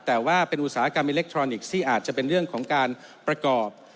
แต่ว่าเป็นอุตสาหกรรมอิเล็กทรอนิกส์ที่อาจจะเป็นเรื่องของการประกอบ